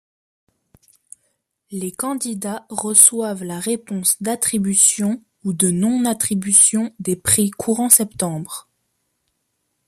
Les candidats reçoivent la réponse d’attribution ou de non attribution des Prix courant septembre.